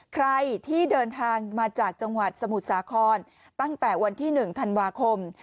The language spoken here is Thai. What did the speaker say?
ใครที่เดินทางมาจากจังหวัดสมุทรสาครตั้งแต่วันที่๑ธันวาคม